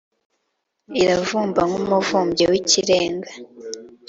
iravumba nku muvumbyi wikirenga